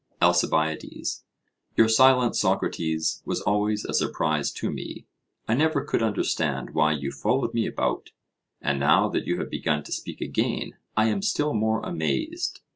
ALCIBIADES: Your silence, Socrates, was always a surprise to me. I never could understand why you followed me about, and now that you have begun to speak again, I am still more amazed.